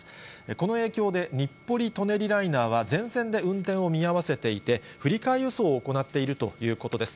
この影響で日暮里・舎人ライナーは全線で運転を見合わせていて、振り替え輸送を行っているということです。